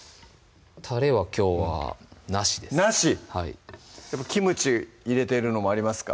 たれはきょうはなしですなしキムチ入れてるのもありますか？